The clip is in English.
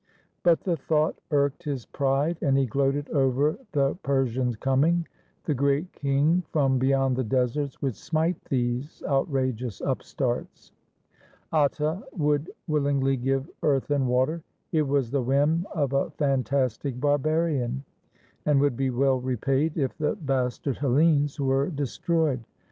But the thought irked his pride, and he gloated over the Per sians' coming. The Great King from beyond the deserts would smite these outrageous upstarts. Atta would will ingly give earth and water. It was the whim of a fan tastic barbarian, and would be well repaid if the bastard Hellenes were destroyed.